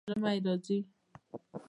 ژمی راځي